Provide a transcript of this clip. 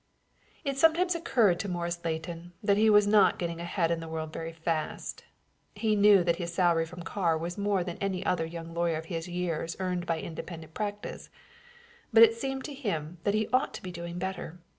It sometimes occurred to Morris Leighton that he was not getting ahead in the world very fast. He knew that his salary from Carr was more than any other young lawyer of his years earned by independent practice; but it seemed to him that he ought to be doing better.